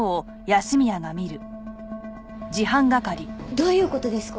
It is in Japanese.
どういう事ですか？